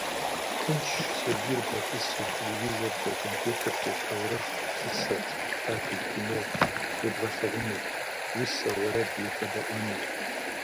Тыншщ сабийр бгъэтӏысу телевизоркӏэ, компьютеркӏэ таурыхъ, псысэ, спектакль, кино ебгъэплъыныр, усэ, уэрэд ебгъэдэӏуэныр.